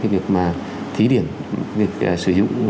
việc thí điểm việc sử dụng